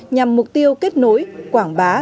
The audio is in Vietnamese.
nhằm mục tiêu kết nối quảng bá